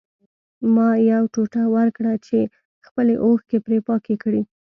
ما یو ټوټه ورکړه چې خپلې اوښکې پرې پاکې کړي